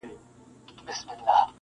ستا پسرلي ته به شعرونه جوړ کړم-